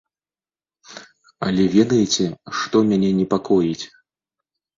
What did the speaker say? Але ведаеце, што мяне непакоіць?